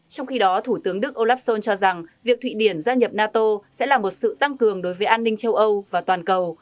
trong khi đó thủ tướng đức olaf schol cho rằng việc thụy điển gia nhập nato sẽ là một sự tăng cường đối với an ninh châu âu và toàn cầu